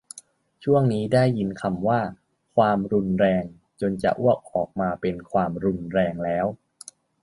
ช่วงนี้ได้ยินคำว่า"ความรุนแรง"จนจะอ้วกออกมาเป็นความรุนแรงแล้ว